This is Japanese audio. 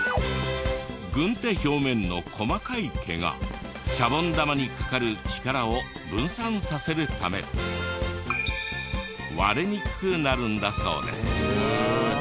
軍手表面の細かい毛がシャボン玉にかかる力を分散させるため割れにくくなるんだそうです。